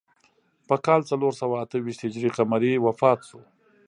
په کال څلور سوه اته ویشت هجري قمري وفات شو.